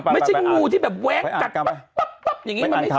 ไม่ใช่งูที่แบบแว้งกัดปั๊บอย่างนี้มันไม่ใช่